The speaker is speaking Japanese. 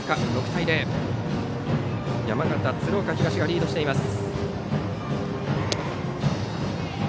６対０と山形・鶴岡東がリードしています。